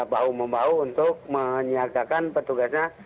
bahu membahu untuk menyiagakan petugasnya